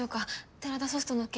寺田ソフトの件